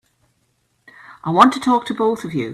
I want to talk to both of you.